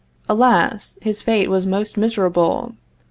Alas! his fate was most miserable.